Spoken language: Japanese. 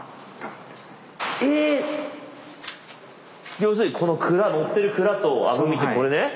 要するにこの乗ってるくらとあぶみってこれね？